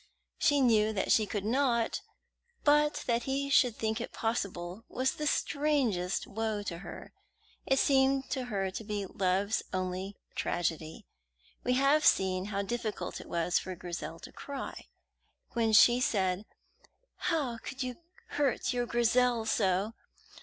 She knew she could not; but that he should think it possible was the strangest woe to her. It seemed to her to be love's only tragedy. We have seen how difficult it was for Grizel to cry. When she said "How could you hurt your Grizel so!"